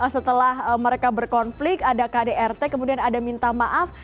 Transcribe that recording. setelah mereka berkonflik ada kdrt kemudian ada minta maaf